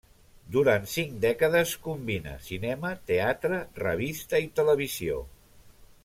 Durant cinc dècades combina cinema, teatre, revista i televisió.